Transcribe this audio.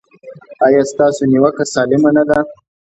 ایا ستاسو نیوکه سالمه نه ده؟